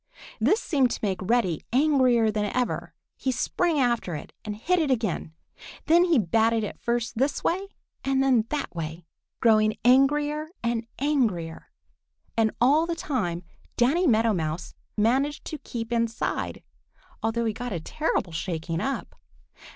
This seemed to make Reddy angrier than ever. He sprang after it and hit it again. Then he batted it first this way and then that way, growing angrier and angrier. And all the time Danny Meadow Mouse managed to keep inside, although he got a terrible shaking up.